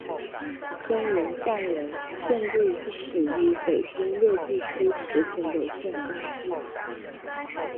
天源酱园现隶属于北京六必居食品有限公司。